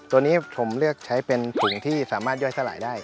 ตัวนี้ผมเลือกใช้เป็นถุงที่สามารถย่อยสลายได้